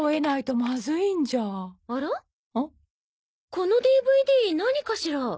このＤＶＤ何かしら？